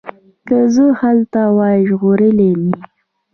که زه هلته وای ژغورلي مي